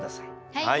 はい！